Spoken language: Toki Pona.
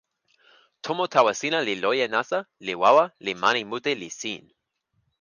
tomo tawa sina li loje nasa li wawa li mani mute li sin.